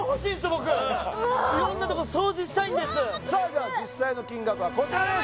僕色んなとこ掃除したいんですさあじゃあ実際の金額はこちらです